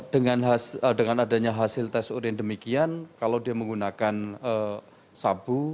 dengan adanya hasil tes urin demikian kalau dia menggunakan sabu